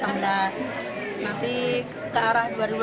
nanti ke arah dua ribu delapan belas